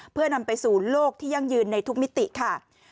เพื่อนำไปสู่โลกที่ยั่งยืนในทุกมิติค่ะ